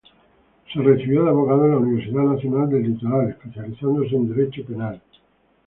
Se recibió de abogado en la Universidad Nacional del Litoral, especializándose en Derecho Penal.